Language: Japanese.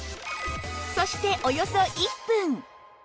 そしておよそ１分